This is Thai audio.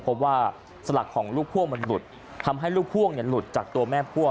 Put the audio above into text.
พบว่าสลักของลูกพ่วงมันหลุดทำให้ลูกพ่วงหลุดจากตัวแม่พ่วง